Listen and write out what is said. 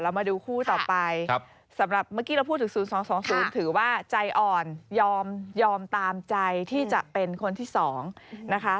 มาดูคู่ต่อไปสำหรับเมื่อกี้เราพูดถึง๐๒๒๐ถือว่าใจอ่อนยอมตามใจที่จะเป็นคนที่๒นะคะ